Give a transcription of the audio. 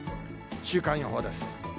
週間予報です。